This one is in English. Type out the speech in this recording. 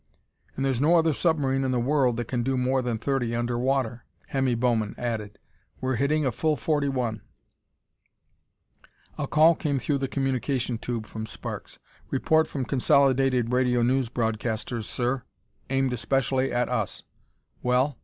"And there's no other submarine in the world that can do more than thirty under water!" Hemmy Bowman added. "We're hitting a full forty one!" A call came through the communication tube from Sparks. "Report from Consolidated Radio News Broadcasters, sir, aimed especially at us." "Well?"